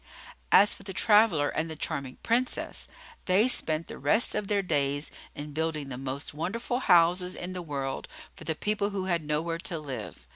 As for the traveller and the charming Princess, they spent the rest of their days in building the most wonderful houses in the world for the people who had nowhere to live.